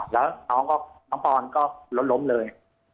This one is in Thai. แล้วน้องก็น้องปอนก็ลดล้มเลย